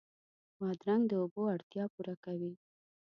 بادرنګ د اوبو اړتیا پوره کوي.